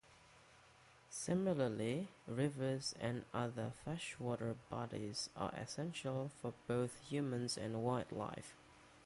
Similarly, rivers and other freshwater bodies are essential for both humans and wildlife.